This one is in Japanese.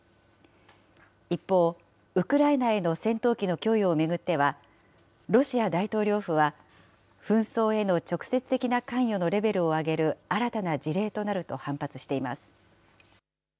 一方、ウクライナへの戦闘機の供与を巡っては、ロシア大統領府は、紛争への直接的な関与のレベルを上げる新たな事例となると反発しています。